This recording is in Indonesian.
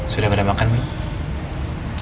sudah pada makan belum